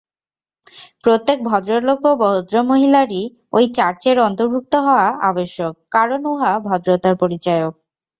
প্রত্যেক ভদ্রলোক ও ভদ্রমহিলারই ঐ চার্চের অন্তর্ভুক্ত হওয়া আবশ্যক, কারণ উহা ভদ্রতার পরিচায়ক।